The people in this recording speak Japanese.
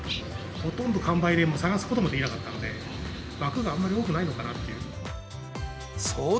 ほとんど完売で、もう探すこともできなかったので、枠があんまり多くないのかなっていう。